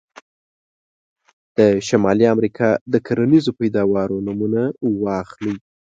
د شمالي امریکا د کرنیزو پیداوارو نومونه واخلئ.